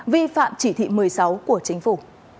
vi phạm chỉ thị một mươi sáu của chính phủ